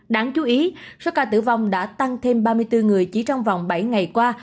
đáng chú ý số ca tử vong đã tăng thêm ba mươi bốn người chỉ trong vòng bảy ngày qua